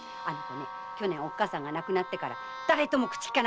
去年おっかさんが亡くなってから誰とも口を利かなくなったんだ。